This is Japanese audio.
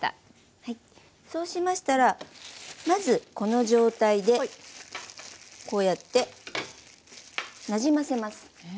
そうしましたらまずこの状態でこうやってなじませます。